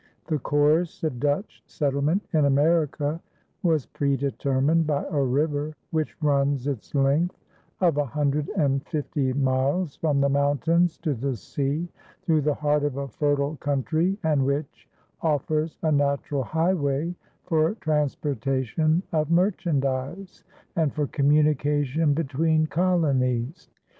The course of Dutch settlement in America was predetermined by a river which runs its length of a hundred and fifty miles from the mountains to the sea through the heart of a fertile country and which offers a natural highway for transportation of merchandise and for communication between colonies.